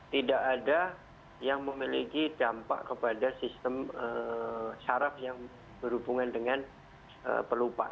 tidak ada yang memiliki dampak kepada sistem syaraf yang berhubungan dengan pelupa